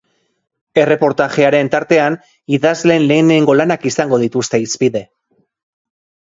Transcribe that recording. Erreportajearen tartean, idazleen lehenengo lanak izango dituzte hizpide.